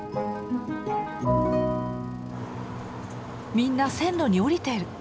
みんな線路に降りてる。